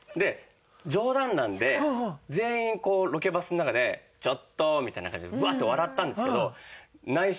冗談なんで全員ロケバスの中で「ちょっと！」みたいな感じでウワッと笑ったんですけど内心。